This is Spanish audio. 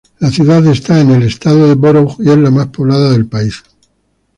La ciudad está en estado de Borough, y es la más poblada del país.